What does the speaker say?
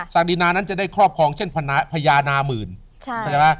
ศักดินานั้นจะได้ครอบครองเช่นพญานามึง